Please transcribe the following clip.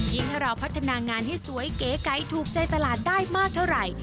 ถ้าเราพัฒนางานให้สวยเก๋ไก่ถูกใจตลาดได้มากเท่าไหร่